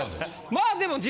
まあでも陣。